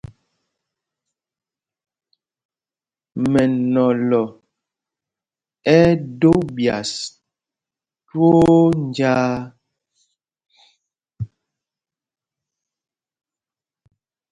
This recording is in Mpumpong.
Mɛnɔlɔ ɛ́ ɛ́ dō ɓyas twóó njāā.